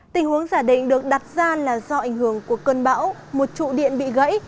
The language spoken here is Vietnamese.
tình huống giả định được đặt ra là do ảnh hưởng của cơn bão một trụ điện bị gãy